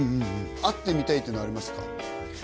会ってみたいっていうのはありますか？